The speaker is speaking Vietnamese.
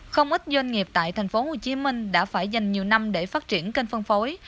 không ít doanh nghiệp tại tp hcm đã phải dành nhiều năm để phát triển kênh phân phối